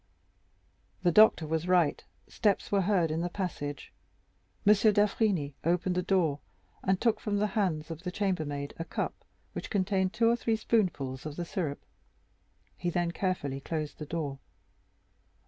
The doctor was right; steps were heard in the passage. M. d'Avrigny opened the door, and took from the hands of the chambermaid a cup which contained two or three spoonfuls of the syrup, he then carefully closed the door.